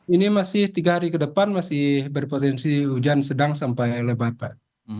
ini masih tiga hari ke depan masih berpotensi hujan sedang sampai lebat pak